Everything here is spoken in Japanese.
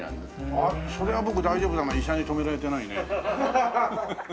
あっそれは僕大丈夫なの医者に止められてないね？